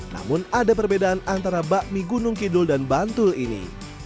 namun ada perbedaan antara bakmi gunung kidul dan bantul ini